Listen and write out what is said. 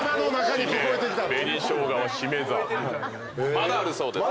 まだあるそうです。